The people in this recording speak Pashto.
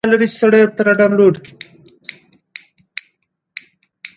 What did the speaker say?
اشرف غني د بهرنیو هیوادونو سره د ډیپلوماتیکو اړیکو په پراختیا کې فعال و.